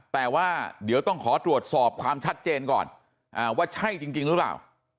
แต่ว่าเดี๋ยวต้องขอตรวจสอบความชัดเจนก่อนว่าใช่จริงหรือเปล่า